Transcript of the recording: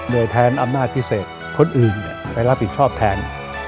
โดยแทนอำนาจพิเศษคนอื่นไปรับผิดชอบแทน